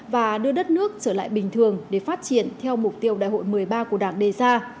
và đưa đất nước trở lại bình thường để phát triển theo mục tiêu đại hội một mươi ba của đảng đề ra